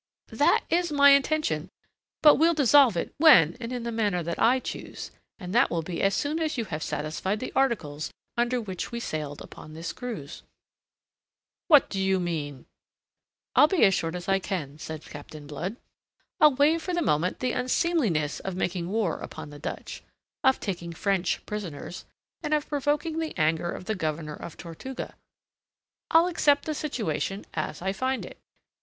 "That is my intention. But we'll dissolve it when and in the manner that I choose, and that will be as soon as you have satisfied the articles under which we sailed upon this cruise. "What do you mean?" "I'll be as short as I can," said Captain Blood. "I'll waive for the moment the unseemliness of making war upon the Dutch, of taking French prisoners, and of provoking the anger of the Governor of Tortuga. I'll accept the situation as I find it.